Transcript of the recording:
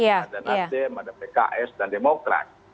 ada nasdem ada pks dan demokrat